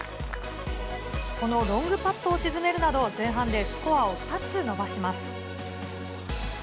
このロングパットを沈めるなど、前半でスコアを２つ伸ばします。